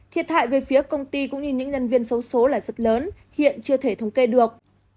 thiệt hại về phía công ty cũng như những nhân viên xấu số là rất lớn hiện chưa thể thống kê được